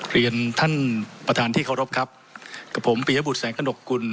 เรียนท่านประธานที่เคารพครับกับผมปียบุตรแสงกระหนกกุล